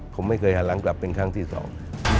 ผมไม่เคยหันหลังกลับเป็นครั้งที่สอง